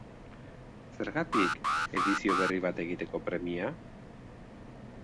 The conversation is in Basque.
Zergatik edizio berri bat egiteko premia?